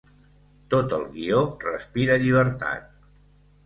Tot el guió respira llibertat.